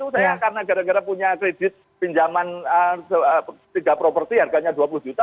saya karena gara gara punya kredit pinjaman tiga properti harganya dua puluh juta